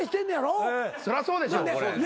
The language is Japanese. そらそうでしょ。